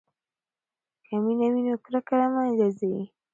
که مینه وي نو کرکه له منځه ځي.